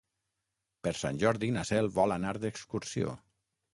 Per Sant Jordi na Cel vol anar d'excursió.